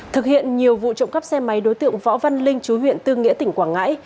thực hiện nhiều vụ trộm cắp xe máy đối tượng võ văn linh chú huyện tư nghĩa tỉnh quảng ngãi